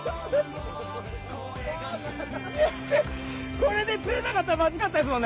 これで釣れなかったらマズかったですもんね。